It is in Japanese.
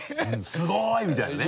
「すごい！」みたいなね。